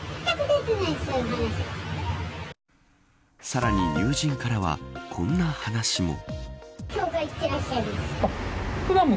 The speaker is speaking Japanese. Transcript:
さらに、友人からはこんな話も。